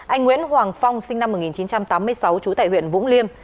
anh nguyễn hoàng phong sinh năm một nghìn chín trăm tám mươi sáu trú tại huyện vũng liêm